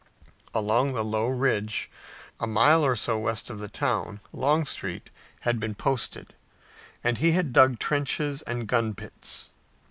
Along the low ridge, a mile or so west of the town, Longstreet had been posted and he had dug trenches and gunpits.